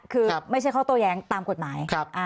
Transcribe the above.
คือไม่ใช่ข้อโต้แย้งตามกฎหมาย